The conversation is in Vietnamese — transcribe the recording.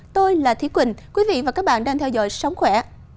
tôi là thí quỳnh quý vị và các bạn đang theo dõi sống khỏe